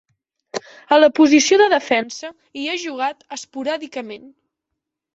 A la posició de defensa hi ha jugat esporàdicament.